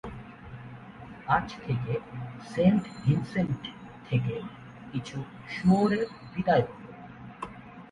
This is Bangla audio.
আজ থেকে সেন্ট ভিন্সেন্ট থেকে কিছু শুয়োরের বিদায় হলো।